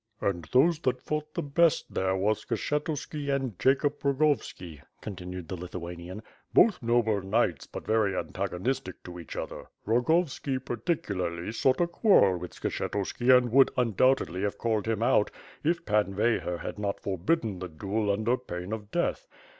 "And those that fought the best there were Skshetuski and Jacob Rogovski," continued the Lithuanian. "Both noble knights, but very antagonistic to each other. Rogovski, particularly, sought a quarrel with Skshetuski and would have undoubtedly called him out if Pan Veyher had not for bidden the duel under pain of death.